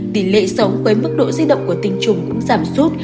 tỷ lệ sống với mức độ di động của tình trụng cũng giảm sút